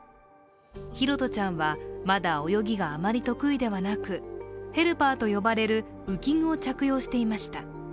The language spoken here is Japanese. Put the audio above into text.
拓杜ちゃんはまだ泳ぎがあまり得意ではなくヘルパーと呼ばれる浮き具を着用していました。